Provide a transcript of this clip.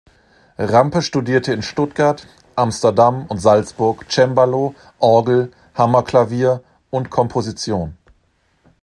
Rampe studierte in Stuttgart, Amsterdam und Salzburg Cembalo, Orgel, Hammerklavier und Komposition.